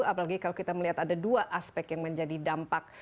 apalagi kalau kita melihat ada dua aspek yang menjadi dampak